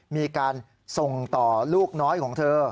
มีการส่งต่อลูกน้อยของเธอ